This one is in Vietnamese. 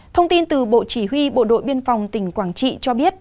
thông tin từ bộ chỉ huy bộ đội biên phòng tỉnh quảng trị cho biết